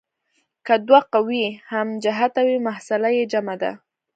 که دوه قوې هم جهته وي محصله یې جمع ده.